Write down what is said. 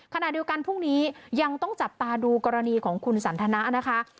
ขณะเดียวกันพรุ่งนี้ยังต้องจับตาดูกรณีของคุณสันทนานะคะ